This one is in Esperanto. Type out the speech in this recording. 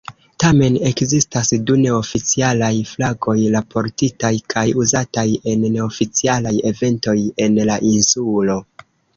Tamen, ekzistas du neoficialaj flagoj raportitaj kaj uzataj en neoficialaj eventoj en la insulo.